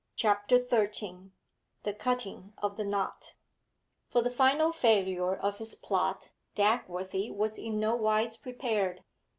CHAPTER XIII THE CUTTING OF THE KNOT For the final failure of his plot Dagworthy was in no wise prepared.